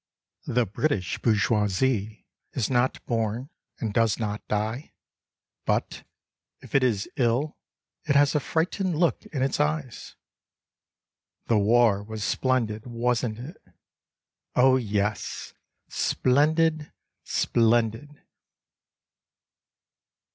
The British bourgeoisie Is not born, And does not die, But. if it is ill. It has a frightened look in its eyes. The War was splendid, wasn't it? Oh yes, splendid, splendid."